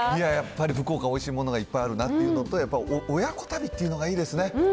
いや、やっぱり福岡、おいしいものがいっぱいあるなっていうのと、あとやっぱり親子旅っていうのがいいですね。